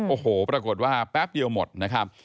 โอ้โหปรากฏว่าแป๊บเดียวหมดนะครับ